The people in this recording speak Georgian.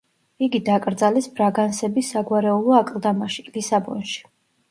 იგი დაკრძალეს ბრაგანსების საგვარეულო აკლდამაში, ლისაბონში.